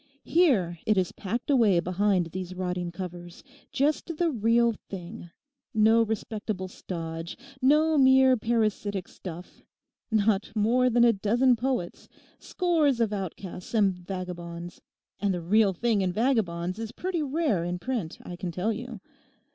Here it is packed away behind these rotting covers, just the real thing, no respectable stodge; no mere parasitic stuff; not more than a dozen poets; scores of outcasts and vagabonds—and the real thing in vagabonds is pretty rare in print, I can tell you.